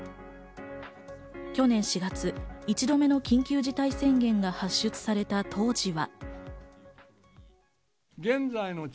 去年４月、１度目の緊急事態宣言が発出された当時は。